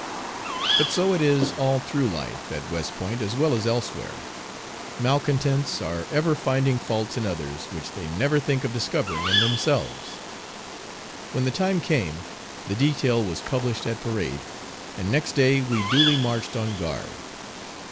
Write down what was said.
But so it is all through life, at West Point as well as elsewhere. Malcontents are ever finding faults in others which they never think of discovering in themselves. When the time came the detail was published at parade, and next day we duly marched on guard.